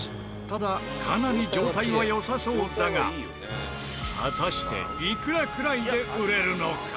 ただかなり状態は良さそうだが果たしていくらくらいで売れるのか？